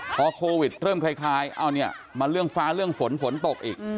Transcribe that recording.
พอโควิดเริ่มคล้ายเอาเนี่ยมาเรื่องฟ้าเรื่องฝนฝนตกอีก